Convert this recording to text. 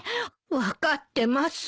分かってます。